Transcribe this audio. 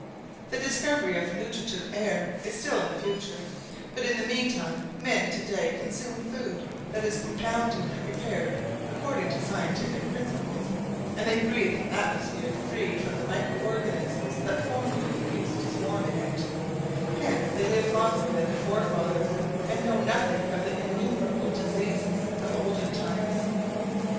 The discovery of nutritive air is still in the future, but in the meantime men today consume food that is compounded and prepared according to scientific principles, and they breathe an atmosphere freed from the micro organisms that formerly used to swarm in it; hence they live longer than their forefathers and know nothing of the innumerable diseases of olden times.